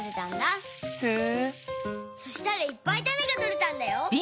そしたらいっぱいタネがとれたんだよ。